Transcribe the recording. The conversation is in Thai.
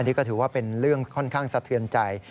นี่ก็ถือว่าเป็นเรื่องค่อนข้างสะเทือนใจ